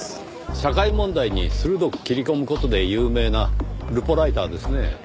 社会問題に鋭く斬り込む事で有名なルポライターですねぇ。